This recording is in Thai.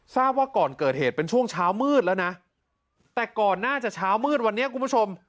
ทราบว่าก่อนเกิดเหตุเป็นช่วงเช้ามืดแล้วนะแต่ก่อนหน้าจะเช้ามืดวันนี้คุณผู้ชม